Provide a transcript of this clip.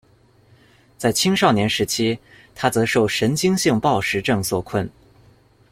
在青少年时期，他则受神经性暴食症所困。